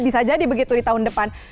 bisa jadi begitu di tahun depan